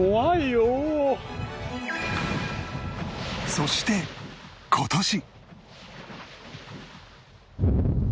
そして今年